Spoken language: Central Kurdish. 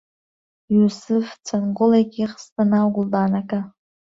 یووسف چەند گوڵێکی خستە ناو گوڵدانەکە.